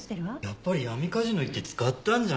やっぱり闇カジノ行って使ったんじゃない？